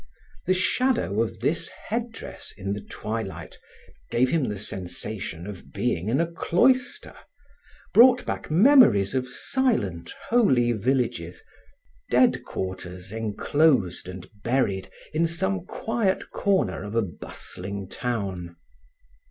The shadow of this headdress, in the twilight, gave him the sensation of being in a cloister, brought back memories of silent, holy villages, dead quarters enclosed and buried in some quiet corner of a bustling town.